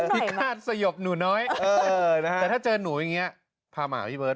พิฆาตสยบหนูน้อยแต่ถ้าเจอหนูอย่างนี้พามาหาพี่เบิร์